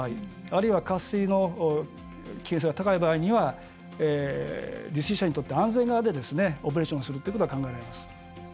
あるいは渇水の危険性が高い場合には利水者にとって安全側でオペレーションするということは考えられます。